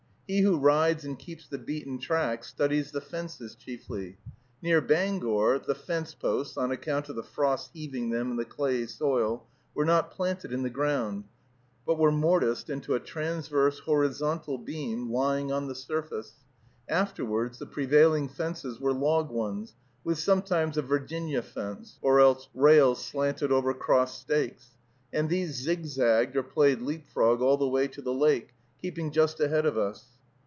He who rides and keeps the beaten track studies the fences chiefly. Near Bangor, the fence posts, on account of the frost's heaving them in the clayey soil, were not planted in the ground, but were mortised into a transverse horizontal beam lying on the surface. Afterwards, the prevailing fences were log ones, with sometimes a Virginia fence, or else rails slanted over crossed stakes; and these zigzagged or played leap frog all the way to the lake, keeping just ahead of us.